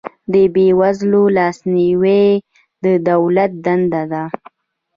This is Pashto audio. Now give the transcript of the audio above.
د بې وزلو لاسنیوی د دولت دنده ده